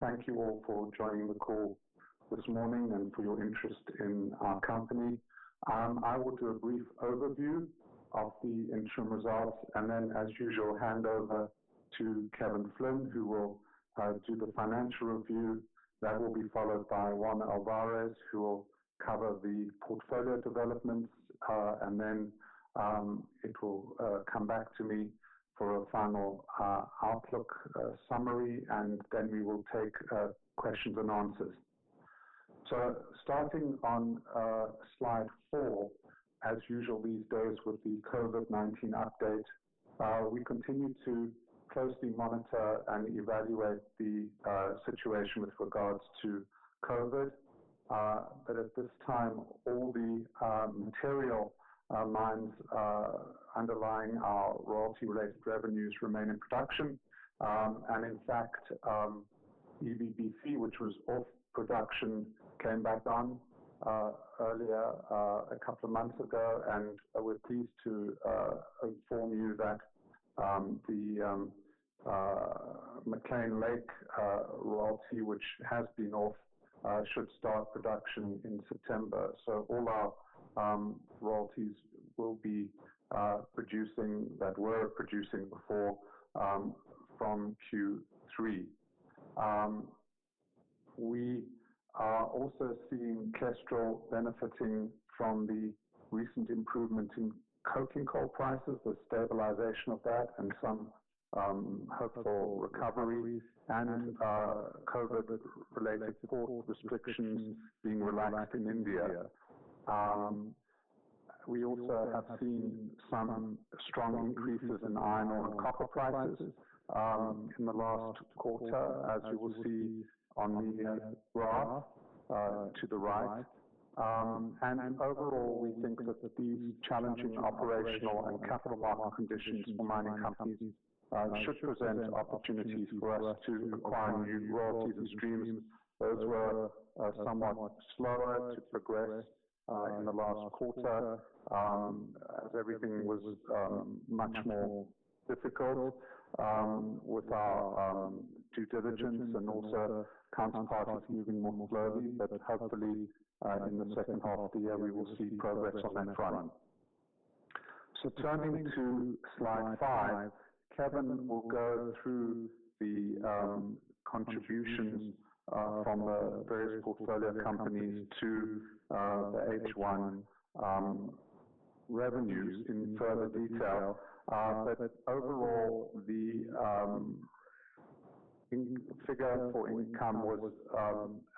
Thank you all for joining the call this morning and for your interest in our company. I will do a brief overview of the interim results and then, as usual, hand over to Kevin Flynn, who will do the financial review. Then it will be followed by Juan Alvarez, who will cover the portfolio developments. Then it will come back to me for a final outlook summary, and then we will take questions and answers. Starting on slide four, as usual these days, with the COVID-19 update. We continue to closely monitor and evaluate the situation with regards to COVID. At this time, all the material mines underlying our royalty-related revenues remain in production. In fact, EVBC, which was off production, came back on earlier, a couple of months ago. We're pleased to inform you that the McClean Lake royalty, which has been off, should start production in September. All our royalties will be producing that were producing before from Q3. We are also seeing Kestrel benefiting from the recent improvement in coking coal prices, the stabilization of that, and some hopeful recoveries and COVID-related port restrictions being relaxed in India. We also have seen some strong increases in iron ore copper prices in the last quarter, as you will see on the graph to the right. Overall, we think that these challenging operational and capital market conditions for mining companies should present opportunities for us to acquire new royalties and streams. Those were somewhat slower to progress in the last quarter as everything was much more difficult with our due diligence and also counterparties moving more slowly. Hopefully, in the second half of the year, we will see progress on that front. Turning to slide five, Kevin will go through the contributions from the various portfolio companies to the H1 revenues in further detail. Overall, the figure for income was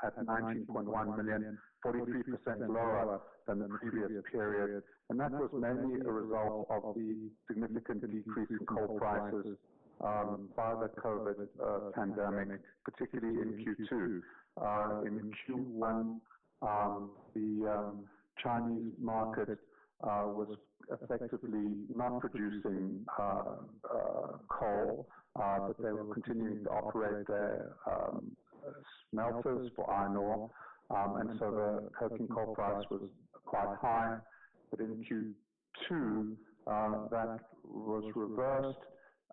at 19.1 million, 43% lower than the previous period. That was mainly a result of the significant decrease in coal prices by the COVID-19 pandemic, particularly in Q2. In Q1, the Chinese market was effectively not producing coal, but they were continuing to operate their smelters for iron ore and so the coking coal price was quite high. In Q2, that was reversed,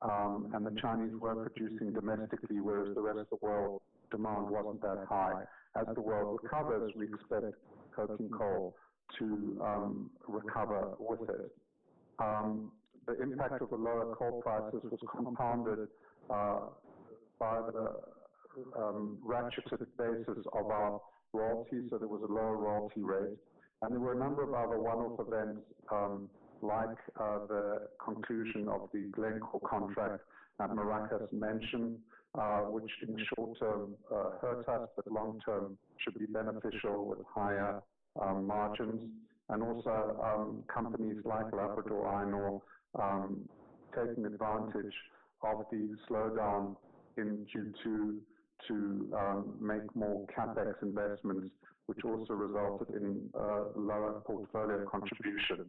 and the Chinese were producing domestically, whereas the rest of the world demand wasn't that high. As the world recovers, we expect coking coal to recover with it. The impact of the lower coal prices was compounded by the ratcheted basis of our royalty, so there was a lower royalty rate. There were a number of other one-off events, like the conclusion of the Glencore contract that Maracás Menchen, which in short term, hurt us, but long term, should be beneficial with higher margins. Also companies like Labrador Iron Ore taking advantage of the slowdown in Q2 to make more CapEx investments, which also resulted in a lower portfolio contribution.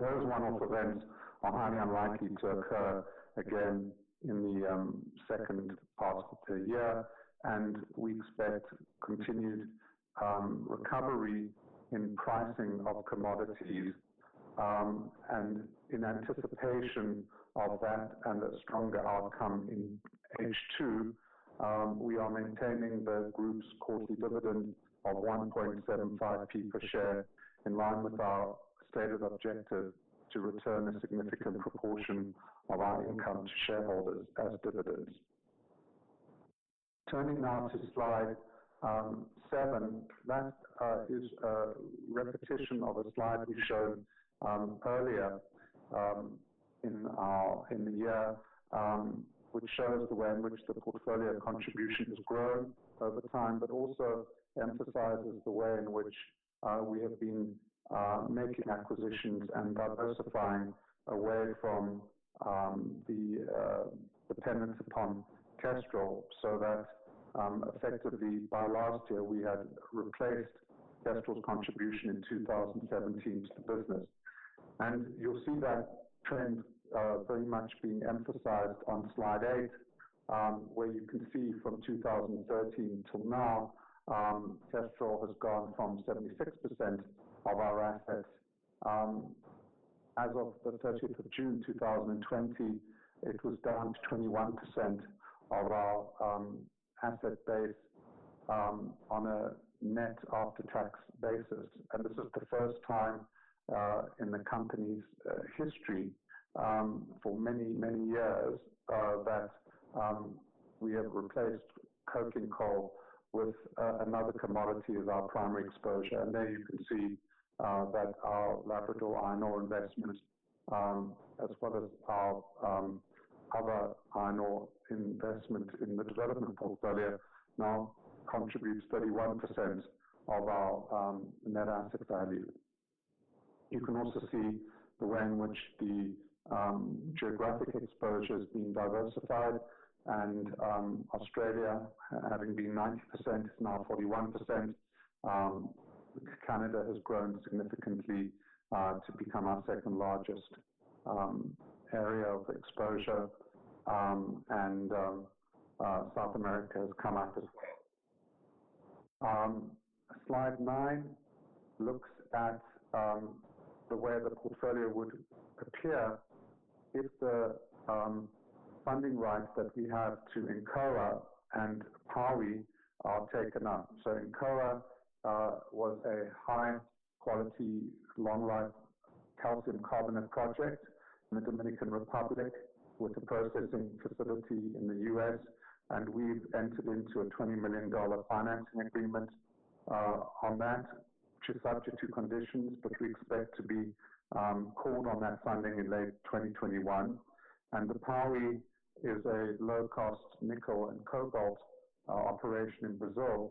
Those one-off events are highly unlikely to occur again in the second part of the year, and we expect continued recovery in pricing of commodities. In anticipation of that and a stronger outcome in H2, we are maintaining the group's quarterly dividend of 0.0175 per share, in line with our stated objective to return a significant proportion of our income to shareholders as dividends. Turning now to slide seven, that is a repetition of a slide we showed earlier in the year, which shows the way in which the portfolio contribution has grown over time. Also emphasizes the way in which we have been making acquisitions and diversifying away from the dependence upon Kestrel, so that effectively by last year, we had replaced Kestrel's contribution in 2017 to the business. You'll see that trend very much being emphasized on slide eight, where you can see from 2013 till now, Kestrel has gone from 76% of our assets-As of the 30th of June 2020, it was down to 21% of our asset base on a net after-tax basis. This is the first time in the company's history, for many years, that we have replaced coking coal with another commodity as our primary exposure. There you can see that our Labrador iron ore investment, as well as our other iron ore investment in the development portfolio, now contributes 31% of our net asset value. You can also see the way in which the geographic exposure has been diversified, and Australia having been 90% is now 41%. Canada has grown significantly to become our second-largest area of exposure. South America has come up as well. Slide nine looks at the way the portfolio would appear if the funding rights that we have to Ecora and Piauí are taken up. Incoa was a high-quality, long-life calcium carbonate project in the Dominican Republic with a processing facility in the U.S., and we've entered into a $20 million financing agreement on that, which is subject to conditions. We expect to be called on that funding in late 2021. The Piauí is a low-cost nickel and cobalt operation in Brazil,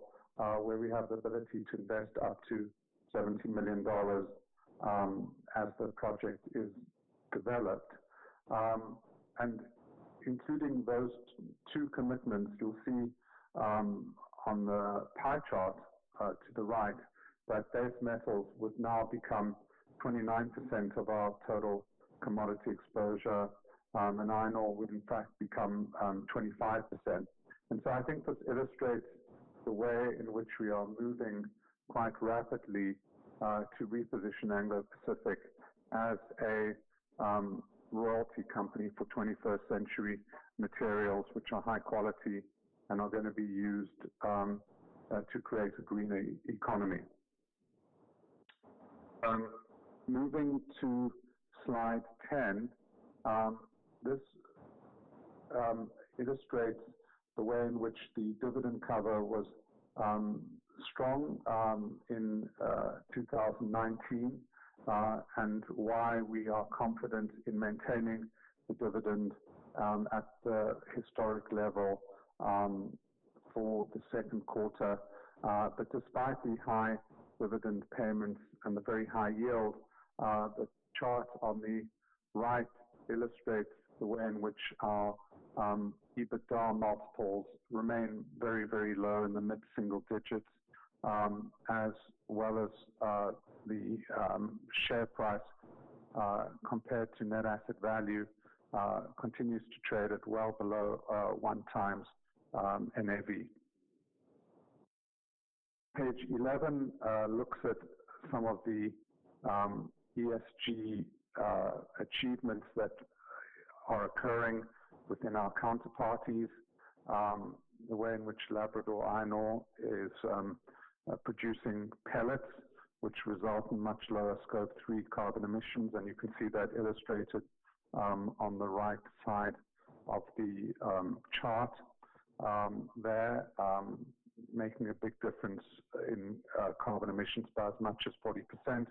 where we have the ability to invest up to GBP 70 million as the project is developed. Including those two commitments, you'll see on the pie chart to the right that base metals would now become 29% of our total commodity exposure, and iron ore would in fact become 25%. I think this illustrates the way in which we are moving quite rapidly to reposition Anglo Pacific as a royalty company for 21st-century materials, which are high quality and are gonna be used to create a green economy. Moving to slide 10. This illustrates the way in which the dividend cover was strong in 2019, and why we are confident in maintaining the dividend at the historic level for the second quarter. Despite the high dividend payments and the very high yield, the chart on the right illustrates the way in which our EBITDA multiples remain very low in the mid-single digits, as well as the share price compared to NAV continues to trade at well below one times NAV. Page 11 looks at some of the ESG achievements that are occurring within our counterparties. The way in which Labrador Iron Ore is producing pellets, which result in much lower Scope 3 carbon emissions. You can see that illustrated on the right side of the chart there, making a big difference in carbon emissions by as much as 40%.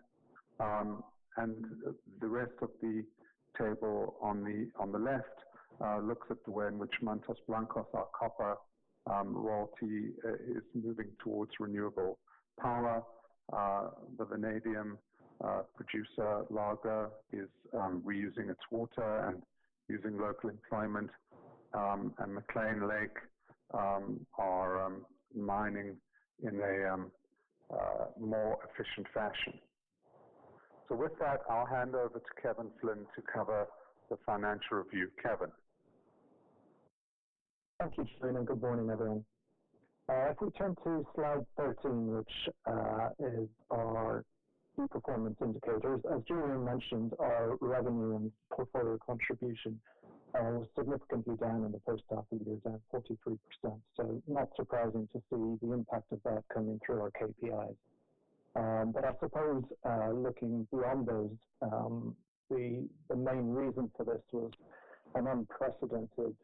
The rest of the table on the left looks at the way in which Mantos Blancos, our copper royalty, is moving towards renewable power. The vanadium producer, Largo, is reusing its water and using local employment. McClean Lake are mining in a more efficient fashion. With that, I'll hand over to Kevin Flynn to cover the financial review. Kevin. Thank you, Julian. Good morning, everyone. If we turn to slide 13, which is our key performance indicators. As Julian mentioned, our revenue and portfolio contribution are significantly down in the first half of the year, down 43%. Not surprising to see the impact of that coming through our KPIs. I suppose, looking beyond those, the main reason for this was an unprecedented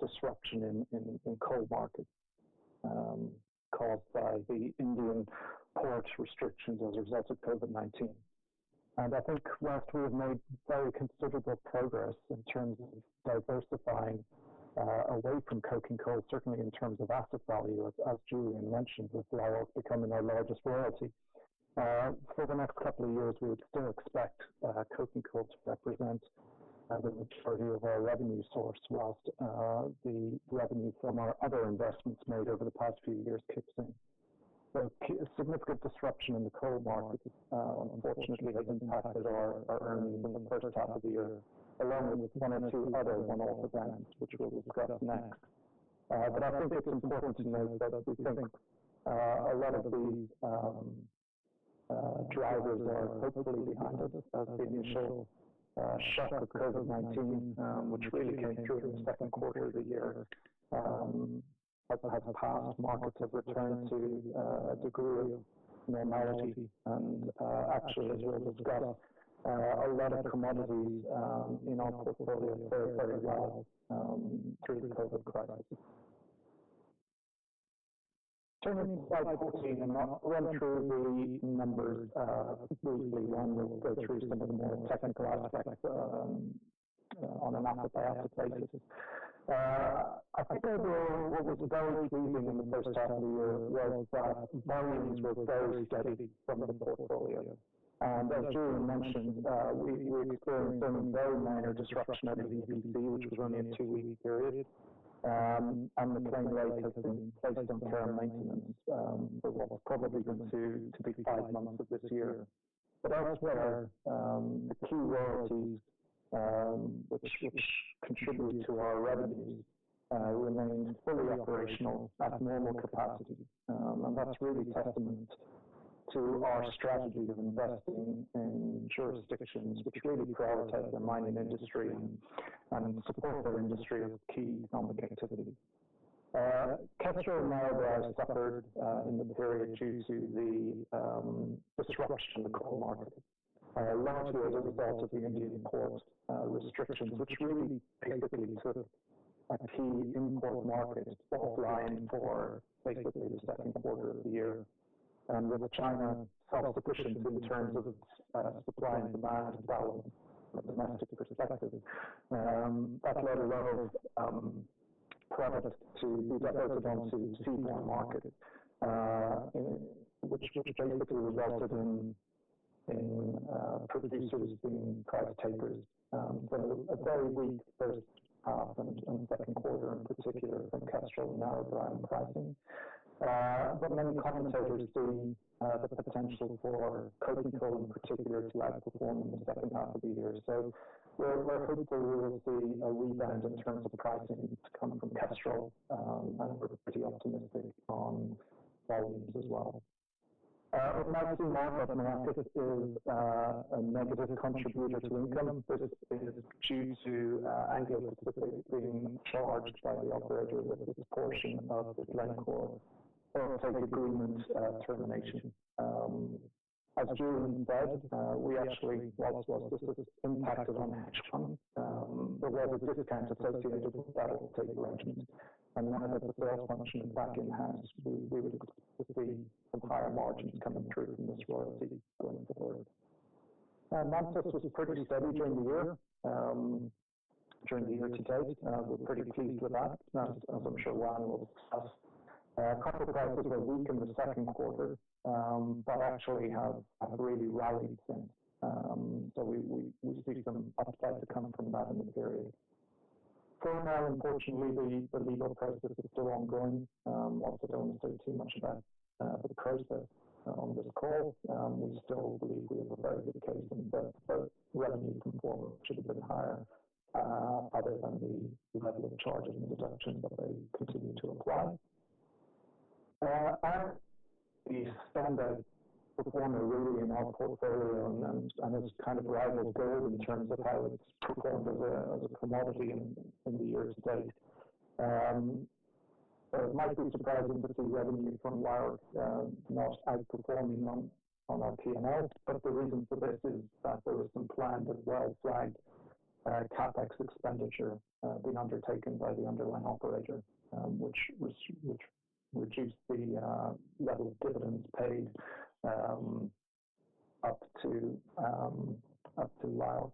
disruption in coal markets caused by the Indian port restrictions as a result of COVID-19. I think whilst we have made very considerable progress in terms of diversifying away from coking coal, certainly in terms of asset value, as Julian mentioned, with Labrador becoming our largest royalty. For the next couple of years, we would still expect coking coal to represent the majority of our revenue source, whilst the revenue from our other investments made over the past few years kicks in. A significant disruption in the coal market unfortunately has impacted our earnings in the first half of the year, along with one or two other one-off events, which we'll discuss next. I think it's important to note that we think a lot of the drivers are hopefully behind us as the initial shock of COVID-19, which really came through in the second quarter of the year. As it has passed, markets have returned to a degree of normality. Actually, as we'll discuss, a lot of commodities in our portfolio fared very well through the COVID crisis. Turning to slide 14 and run through the numbers briefly. We'll go through some of the more technical aspects on an after-tax basis. I think overall, what was very pleasing in the first half of the year was that volumes were very steady from the portfolio. As Julian mentioned, we experienced some very minor disruption at EVBC, which was only a two-week period, and McClean Lake has been placed on care and maintenance for what's probably going to be five months of this year. Elsewhere, the key royalties, which contribute to our revenue, remained fully operational at normal capacity. That's really testament to our strategy of investing in jurisdictions which really prioritize their mining industry and support their industry as a key economic activity. Kestrel and Narrabri suffered in the period due to the disruption in the coal market, largely as a result of the Indian port restrictions, which really basically took a key import market offline for basically the second quarter of the year. With China self-sufficient in terms of supply and demand from a domestic perspective, that led a lot of product to be diverted onto the seaborne market, which basically resulted in producers being price takers. A very weak first half and second quarter in particular from Kestrel and Narrabri on pricing. Many commentators see the potential for coking coal in particular to outperform in the second half of the year. We're hopeful there will be a rebound in terms of pricing to come from Kestrel, and we're pretty optimistic on volumes as well. this is a negative contributor to income. This is due to Anglo specifically being charged by the operator with its portion of the Glencore off-take agreement termination. As Julian said, whilst this has impacted our hedge book, there was a discount associated with that off-take arrangement. Now that the sales function is back in-house, we would expect to see some higher margins coming through from this royalty going forward. Mantos was pretty steady during the year-to-date. We're pretty pleased with that. As I'm sure Juan will discuss, copper prices were weak in the second quarter, but actually have really rallied since. We see some upside to come from that in the period. For now, unfortunately, the legal process is still ongoing. Obviously, don't want to say too much about the case on this call. We still believe we have a very good case, and that both revenue and performance should have been higher, other than the level of charges and deductions that they continue to apply. Iron, the standout performer really in our portfolio and has kind of rivaled gold in terms of how it's performed as a commodity in the year-to-date. It might be surprising to see revenue from iron not outperforming on our P&L. The reason for this is that there was some planned as well flagged CapEx expenditure being undertaken by the underlying operator, which reduced the level of dividends paid up to LIORC.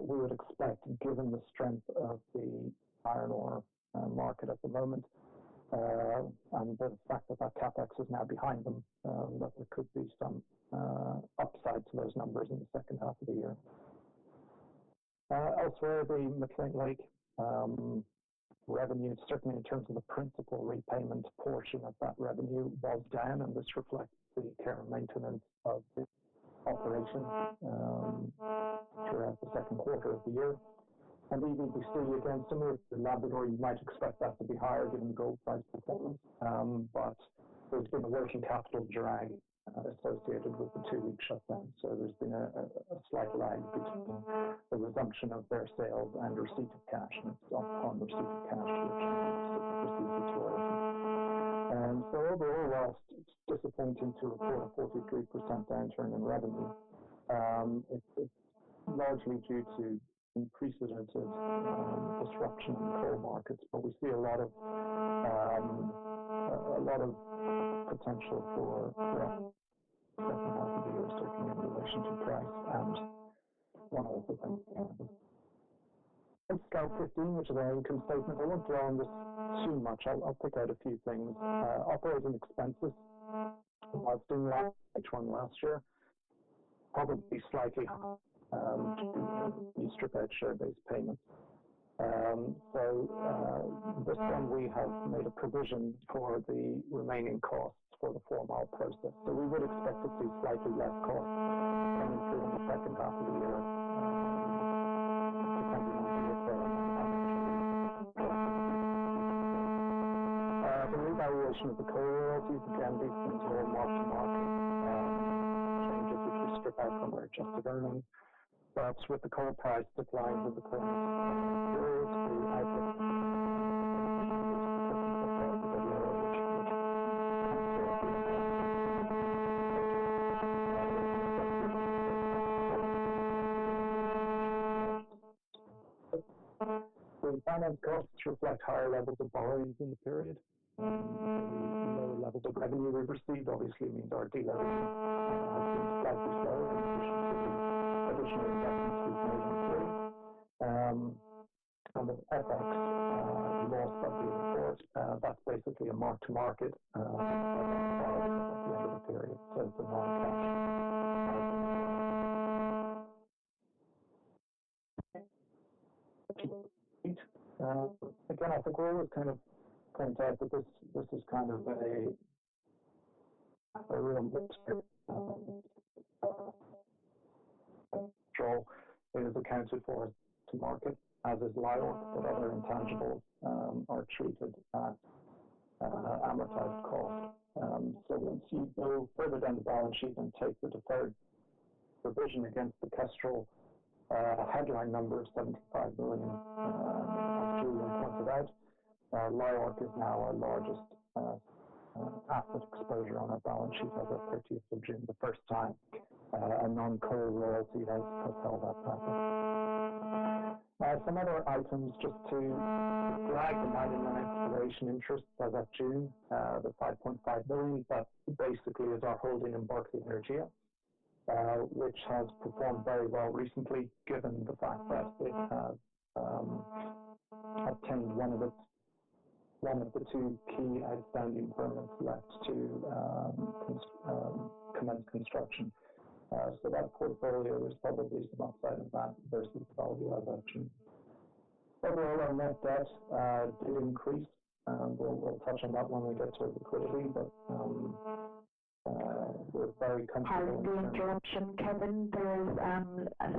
We would expect, given the strength of the iron ore market at the moment, and the fact that that CapEx is now behind them, that there could be some upside to those numbers in the second half of the year. Elsewhere, the McClean Lake revenue, certainly in terms of the principal repayment portion of that revenue, was down. This reflects the care and maintenance of the operation throughout the second quarter of the year. EVBC again, similar to Labrador, you might expect that to be higher given gold price performance. There's been a working capital drag associated with the two-week shutdown. There's been a slight lag between the resumption of their sales and receipt of cash, and it's upon receipt of cash that we receive the royalty. Overall, whilst it's disappointing to report a 43% downturn in revenue, it's largely due to increases and disruption in coal markets. We see a lot of potential for growth in the second half of the year, certainly in relation to price and volumes. Slide 15, which is our income statement. I won't dwell on this too much. I'll pick out a few things. Operating expenses at Mt. Isa North, H1 last year, probably slightly higher when you strip out share-based payments. This time made a provision for the remaining costs for the Four Mile project. We would expect it to be slightly less cost coming through in the second half of the year. Kestrel is accounted for to market, as is LIORC, but other intangibles are treated at amortized cost. When you go further down the balance sheet and take the deferred provision against the Kestrel headline number of GBP 75 million as Julian pointed out, LIORC is now our largest asset exposure on our balance sheet as at 30th of June. The first time a non-coal royalty has held that title. Some other items just to flag the mining and exploration interest as at June, the 5.5 million, that basically is our holding in Berkeley Energia, which has performed very well recently given the fact that it has obtained one of the two key outstanding permits left to commence construction. That portfolio is probably the upside of that versus the value I mentioned. Overall, our net debt did increase. We'll touch on that when we get to liquidity, but we're very comfortable. Pardon the interruption, Kevin. There's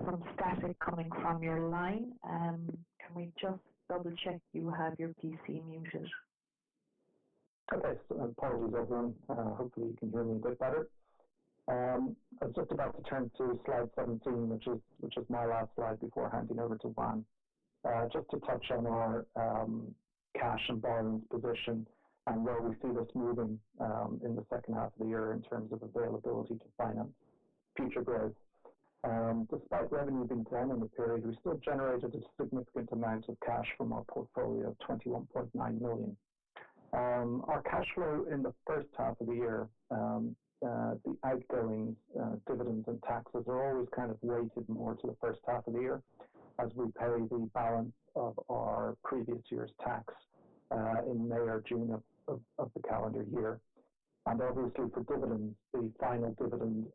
some static coming from your line. Can we just double-check you have your PC muted? Okay. Apologies, everyone. Hopefully, you can hear me a bit better. I was just about to turn to slide 17, which is my last slide before handing over to Juan. Just to touch on our cash and balance position and where we see this moving in the second half of the year in terms of availability to finance future growth. Despite revenue being down in the period, we still generated a significant amount of cash from our portfolio of 21.9 million. Our cash flow in the first half of the year, the outgoing dividends and taxes are always weighted more to the first half of the year as we pay the balance of our previous year's tax in May or June of the calendar year. Obviously for dividends, the final dividend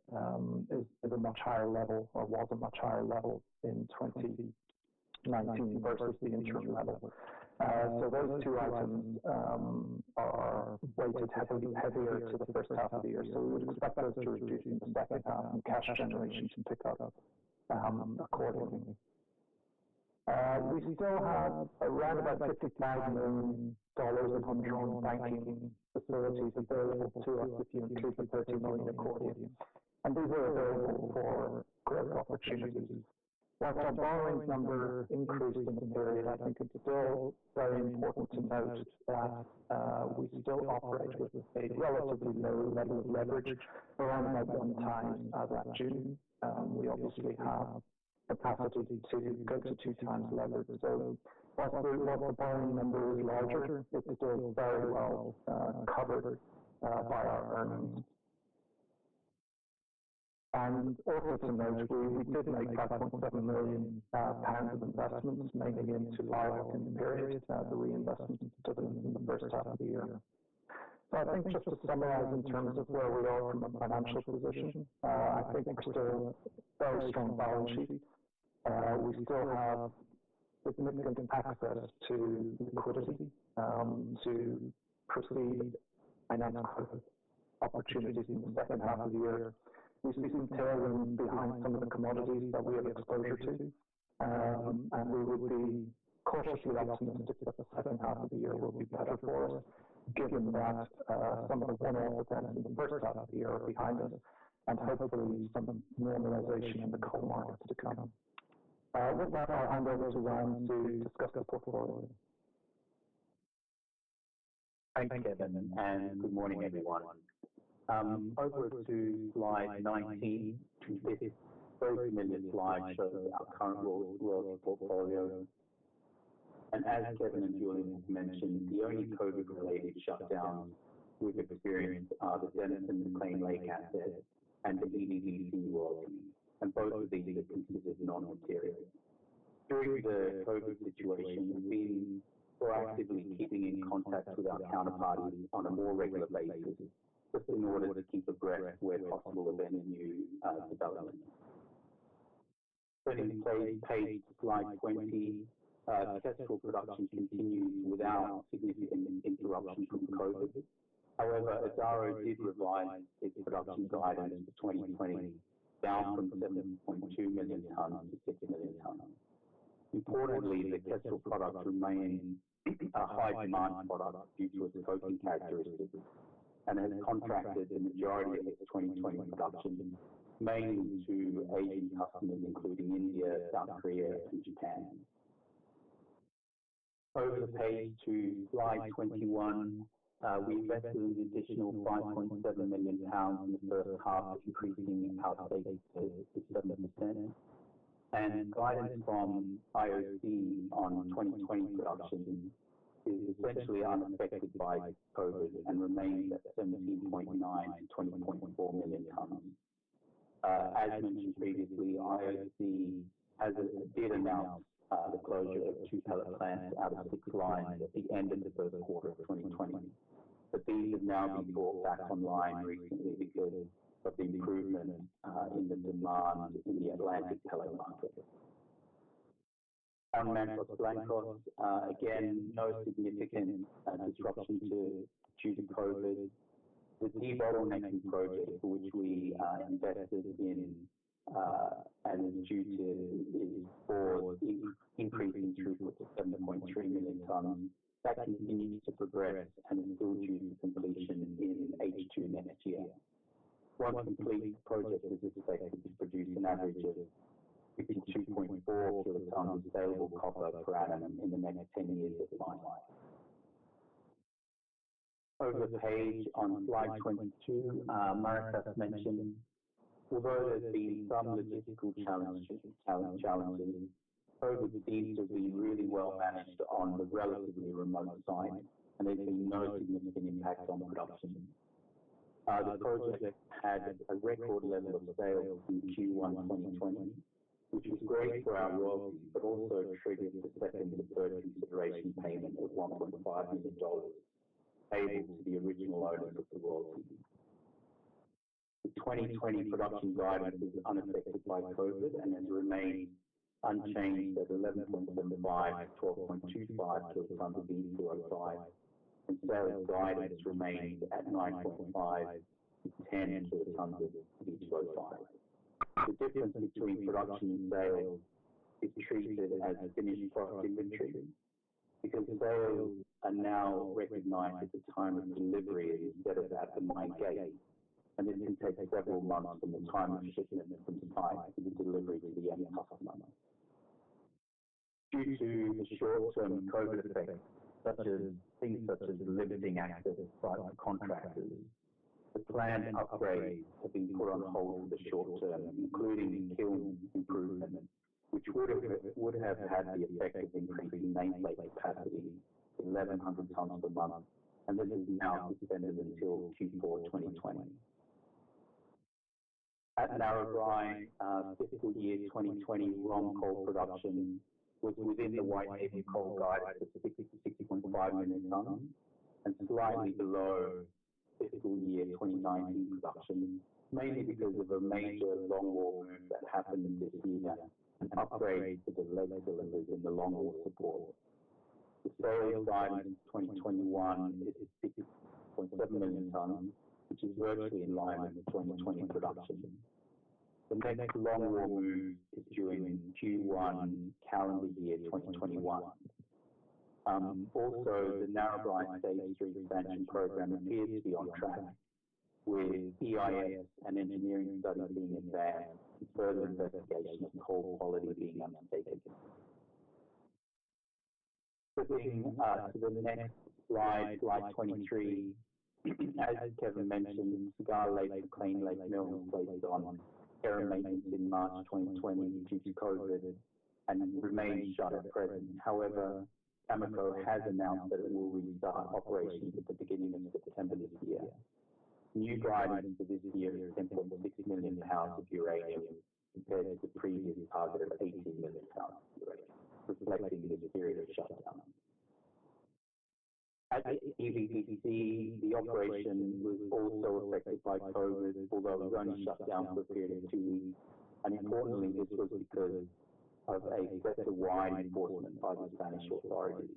is at a much higher level or was a much higher level in 2019 versus the interim level. Those two items are weighted heavier to the first half of the year. We would expect those to reduce in the second half and cash generation to pick up accordingly. We still have around about $59 million of undrawn banking facilities available to us, if you include the $30 million accordion, and these are available for growth opportunities. Whilst our borrowings number increased in the period, I think it's still very important to note that we still operate with a relatively low level of leverage around about 1x as at June. We obviously have capacity to go to 2x leverage. Whilst the level of borrowing number is larger, it's still very well covered by our earnings. Also to note, we did make 5.7 million pounds of investments, mainly into LIORC in the period, the reinvestment of dividends in the first half of the year. I think just to summarize in terms of where we are from a financial position, I think we're still very strong balance sheet. We still have significant access to liquidity to proceed and enhance opportunities in the second half of the year. We see some tailwind behind some of the commodities that we have exposure to. We would be cautiously optimistic that the second half of the year will be better for us, given that some of the one-off events in the first half of the year are behind us and hopefully some normalization in the coal markets to come. With that, I hand over to Juan to discuss the portfolio. Thanks, Kevin. Good morning, everyone. Over to slide 19. This very minute slide shows our current royalty portfolio. As Kevin and Julian have mentioned, the only COVID-related shutdowns we've experienced are the Denison and McClean Lake assets and the EVBC royalty, and both of these are considered non-material. During the COVID situation, we've been proactively keeping in contact with our counterparties on a more regular basis just in order to keep abreast where possible of any new developments. Turning the page to slide 20. Kestrel production continues without significant interruption from COVID. However, Adaro did revise its production guidance for 2020 down from 17.2 million tonnes to 6 million tonnes. Importantly, the Kestrel product remains a high demand product due to its coking characteristics and has contracted the majority of its 2020 production, mainly to Asian customers, including India, South Korea, and Japan. Over the page to slide 21. We invested an additional 5.7 million tonnes in the first half, increasing our stake to 57%. Guidance from IOC on 2020 production is essentially unaffected by COVID-19 and remains at 17.9 million-20.4 million tonnes. As mentioned previously, IOC did announce the closure of two pellet plants out of six lines at the end of the first quarter of 2020. These have now been brought back online recently because of the improvement in the demand in the Atlantic pellet market. Mantos Blancos, again, no significant disruption due to COVID-19. The de-bottlenecking project for which we invested in and is for increasing throughput to 7.3 million tonnes, that continues to progress and is still due for completion in H2 next year. Once complete, the project is expected to produce an average of 52.4 kilotonnes of saleable copper per annum in the next 10 years of mine life. Over the page on slide 22. Maracás Menchen, although there's been some logistical challenges, COVID seems to be really well managed on the relatively remote site, and there's been no significant impact on production. The project had a record level of sales in Q1 2020, which was great for our royalty, but also triggered the second and third consideration payment of GBP 1.5 million payable to the original owner of the royalty. The 2020 production guidance is unaffected by COVID and has remained unchanged at 11.75 to 12.25 kilotonnes of V2O5, and sales guidance remains at 9.5 to 10 kilotonnes of V2O5. The difference between production and sales is treated as finished product inventory because sales are now recognized at the time of delivery rather than at the mine gate. This can take several months from the time of shipment from the mine to the delivery to the end customer. Due to the short-term COVID effects, such as things such as limiting access by the contractors, the planned upgrades have been put on hold for the short term, including kiln improvement, which would have had the effect of increasing nameplate capacity to 1,100 tonnes per month. This is now suspended until Q4 2020. At Narrabri, fiscal year 2020 longwall coal production was within the Whitehaven Coal guide for 60 to 60.5 million tonnes and slightly below fiscal year 2019 production, mainly because of a major longwall move that happened this year and upgrades to the leg cylinders in the longwall support. The sales guidance 2021 is 6.7 million tonnes, which is virtually in line with 2020 production. The next longwall move is during Q1 calendar year 2021. Also, the Narrabri Stage 3 expansion program appears to be on track with EIS and engineering studies being advanced and further investigation of coal quality being undertaken. Transitioning to the next slide 23. As Kevin mentioned, Cigar Lake or McClean Lake Mill was placed on care and maintenance in March 2020 due to COVID and remains shut at present. However, Cameco has announced that it will restart operations at the beginning of September this year. New guidance for this year is 10.6 million pounds of uranium compared to the previous target of 18 million pounds of uranium, reflecting this period of shutdown. At EVBC, the operation was also affected by COVID, although it was only shut down for a period of two weeks, and importantly, this was because of a sector-wide enforcement by the Spanish authorities.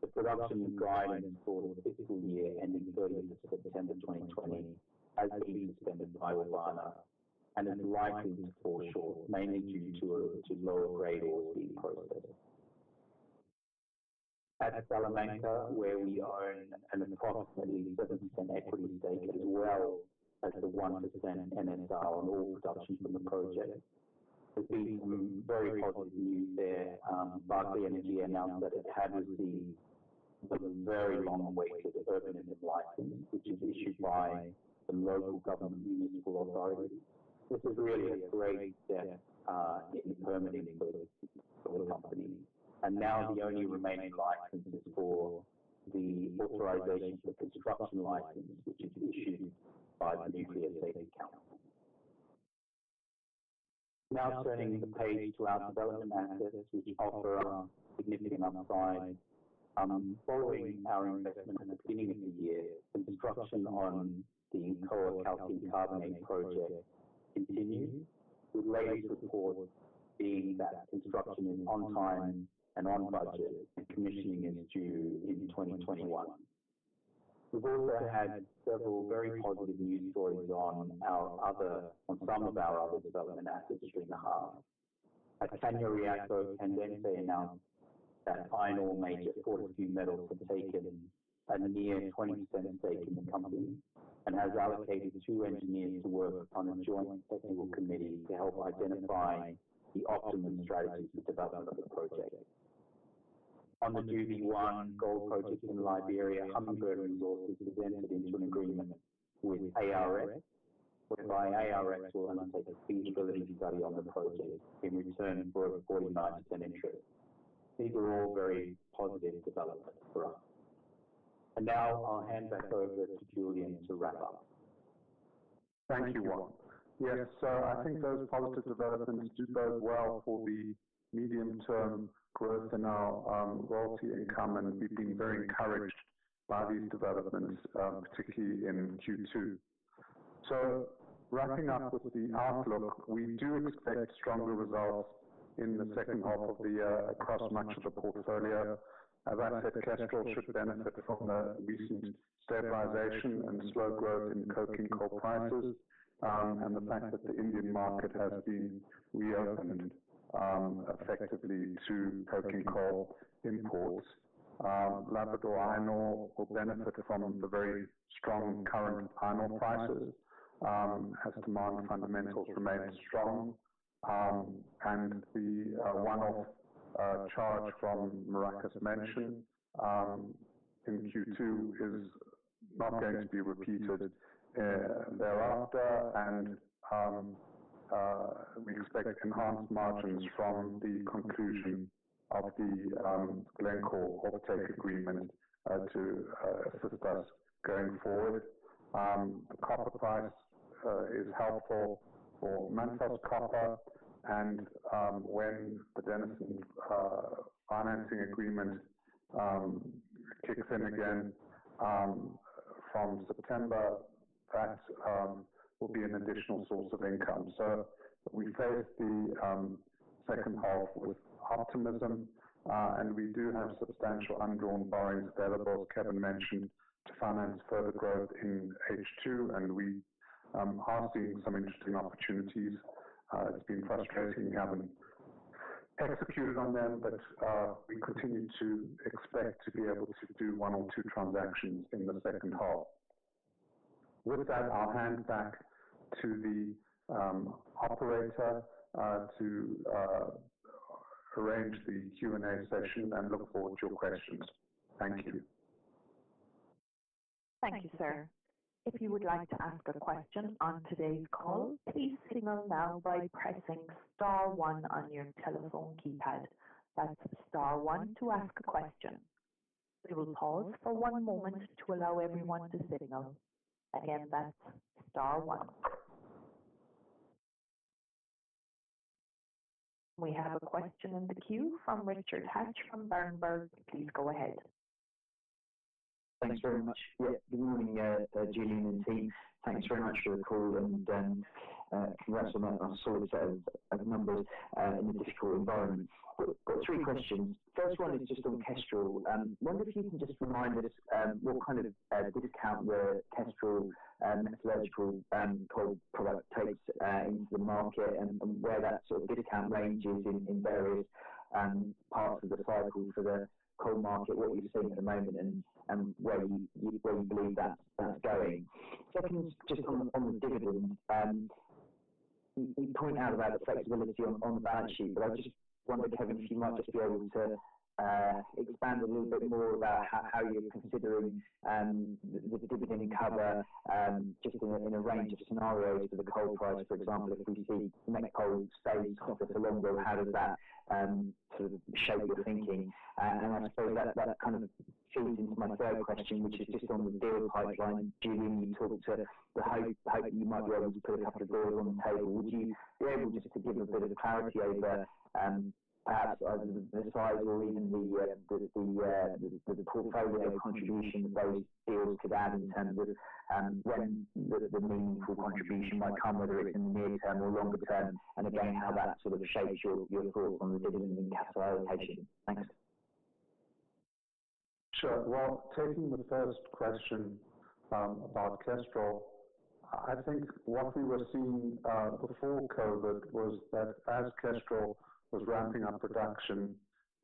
The production guidance for the fiscal year ending 30 September 2020 has been suspended by Orvana and is likely to fall short, mainly due to lower-grade ores being processed. At Salamanca, where we own an approximately 7% equity stake as well as the 1% NSR on all production from the project, there's been some very positive news there. Berkeley Energia announced that it has received the very long-awaited permanent license, which is issued by the local government municipal authority. This is really a great step in the permitting for the company. Now the only remaining license is for the authorization for construction license, which is issued by the Nuclear Safety Council. Now turning the page to our development assets, which offer us significant upside. Following our investment at the beginning of the year, construction on the Incoa Calcium Carbonate project continues, with latest reports being that construction is on time and on budget, and commissioning is due in 2021. We've also had several very positive news stories on some of our other development assets during the half. At Cañariaco, Candente announced that iron ore major Fortescue Metals had taken a near 20% stake in the company and has allocated two engineers to work on a joint technical committee to help identify the optimum strategies for development of the project. On the Dugbe gold project in Liberia, Hummingbird Resources has entered into an agreement with ARX, whereby ARX will undertake a feasibility study on the project in return for a 49% interest. These are all very positive developments for us. Now I'll hand back over to Julian to wrap up. Thank you, Juan. Yes, I think those positive developments do bode well for the medium-term growth in our royalty income, and we've been very encouraged by these developments, particularly in Q2. Wrapping up with the outlook, we do expect stronger results in the second half of the year across much of the portfolio. As I said, Kestrel should benefit from the recent stabilization and slow growth in coking coal prices, and the fact that the Indian market has been reopened effectively to coking coal imports. Labrador Iron Ore will benefit from the very strong current iron ore prices, as demand fundamentals remain strong. The one-off charge from Maracás mentioned in Q2 is not going to be repeated thereafter. We expect enhanced margins from the conclusion of the Glencore off-take agreement to assist us going forward. The copper price is helpful for Mantos copper and when the Denison financing agreement kicks in again from September, that will be an additional source of income. We face the second half with optimism, and we do have substantial undrawn borrowings available, as Kevin mentioned, to finance further growth in H2, and we are seeing some interesting opportunities. It's been frustrating we haven't executed on them, but we continue to expect to be able to do one or two transactions in the second half. With that, I'll hand back to the operator to arrange the Q&A session and look forward to your questions. Thank you. Thank you, sir. If you would like to ask a question on today's call, please signal now by pressing star one on your telephone keypad. That's star one to ask a question. We will pause for one moment to allow everyone to signal. Again, that's star one. We have a question in the queue from Richard Hatch from Berenberg. Please go ahead. Thanks very much. Good morning, Julian and team. Thanks very much for the call and congrats on that solid set of numbers in a difficult environment. Got three questions. First one is just on Kestrel. Wonder if you can just remind us what kind of discount the Kestrel metallurgical end product takes into the market and where that sort of discount ranges in various parts of the cycle for the coal market, what you're seeing at the moment and where you believe that's going. Second, just on the dividend. You point out about flexibility on the balance sheet, but I was just wondering, Kevin, if you might just be able to expand a little bit more about how you're considering the dividend cover, just in a range of scenarios for the coal price. For example, if we see met coal stay softer for longer, how does that sort of shape your thinking? I suppose that kind of feeds into my third question, which is just on the deal pipeline. Julian, you talked to the hope that you might be able to put a couple of deals on the table. Would you be able just to give a bit of clarity over perhaps either the size or even the portfolio contribution that those deals could add in terms of when the meaningful contribution might come, whether it's in the near term or longer term, and again, how that sort of shapes your thoughts on the dividend and capitalization? Thanks. Sure. Well, taking the first question about Kestrel, I think what we were seeing before COVID was that as Kestrel was ramping up production,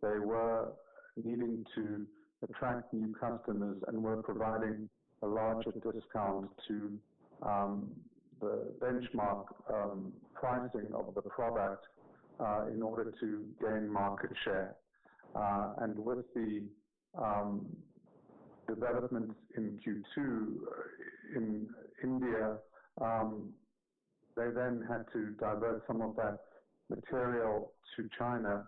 they were needing to attract new customers and were providing a larger discount to the benchmark pricing of the product in order to gain market share. With the developments in Q2 in India, they then had to divert some of that material to China,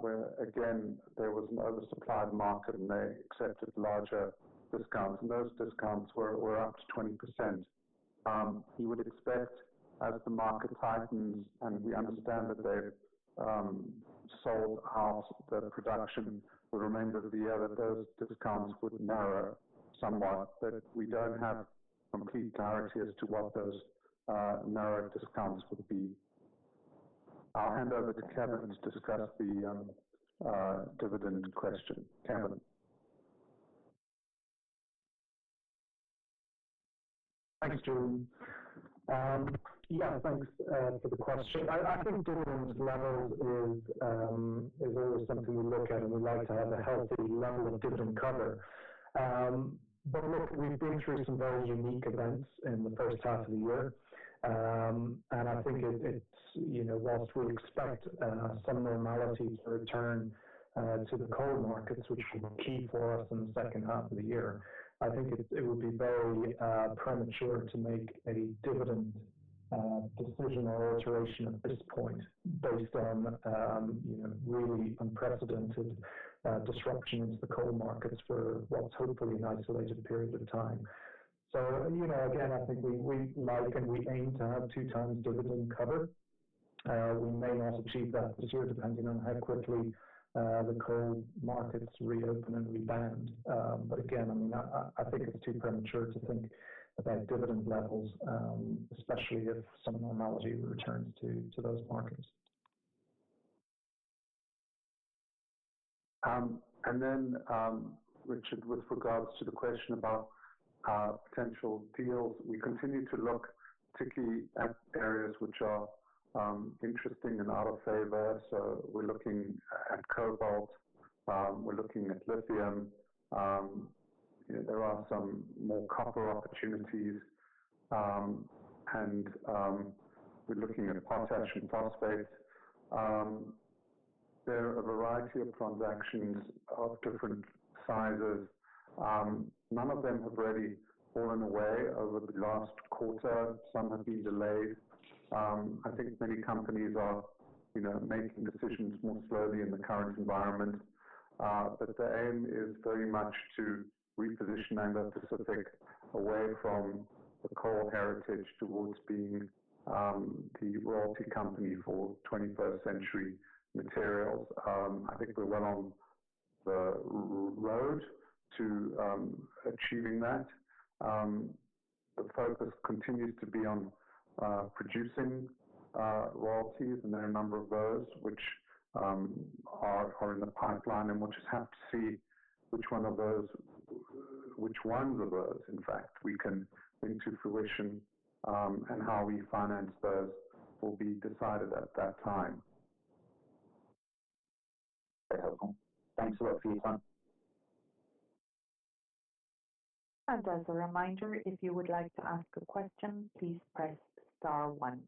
where again, there was an oversupplied market and they accepted larger discounts, and those discounts were up to 20%. You would expect as the market tightens, and we understand that they've sold half their production for the remainder of the year, that those discounts would narrow somewhat. We don't have complete clarity as to what those narrowed discounts would be. I'll hand over to Kevin to discuss the dividend question. Kevin? Thanks, Julian. Yeah, thanks for the question. I think dividend levels is always something we look at. We like to have a healthy level of dividend cover. Look, we've been through some very unique events in the first half of the year. I think whilst we expect some normality to return to the coal markets, which will be key for us in the second half of the year, I think it would be very premature to make a dividend decision or alteration at this point based on really unprecedented disruption into the coal markets for what's hopefully an isolated period of time. Again, I think we like and we aim to have two times dividend cover. We may not achieve that this year, depending on how quickly the coal markets reopen and rebound. Again, I think it's too premature to think about dividend levels, especially if some normality returns to those markets. Richard, with regards to the question about potential deals, we continue to look particularly at areas which are interesting and out of favor. We're looking at cobalt, we're looking at lithium. There are some more copper opportunities. We're looking at potassium phosphate. There are a variety of transactions of different sizes. None of them have really fallen away over the last quarter. Some have been delayed. I think many companies are making decisions more slowly in the current environment. The aim is very much to reposition Anglo Pacific away from the coal heritage towards being the royalty company for 21st century materials. I think we're well on the road to achieving that. The focus continues to be on producing royalties. There are a number of those which are in the pipeline. We'll just have to see which ones of those, in fact, we can bring to fruition. How we finance those will be decided at that time. Very helpful. Thanks a lot for your time. As a reminder, if you would like to ask a question, please press star one.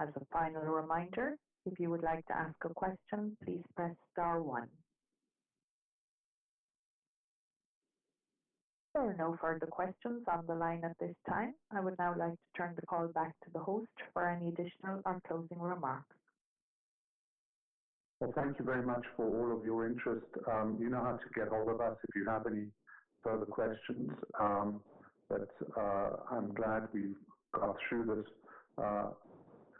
As a final reminder, if you would like to ask a question, please press star one. There are no further questions on the line at this time. I would now like to turn the call back to the host for any additional or closing remarks. Well, thank you very much for all of your interest. You know how to get hold of us if you have any further questions. I'm glad we got through this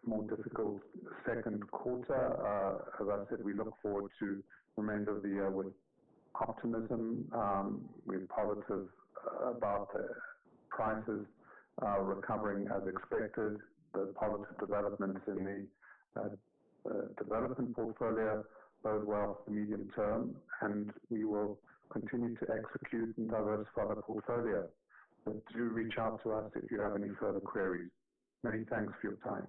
more difficult second quarter. As I said, we look forward to the remainder of the year with optimism. We're positive about the prices recovering as expected. There's positive developments in the development portfolio, bode well for the medium term, and we will continue to execute and diversify the portfolio. Do reach out to us if you have any further queries. Many thanks for your time.